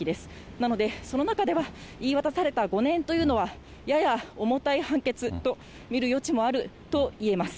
なので、その中では言い渡された５年というのは、やや重たい判決と見る余地もあると言えます。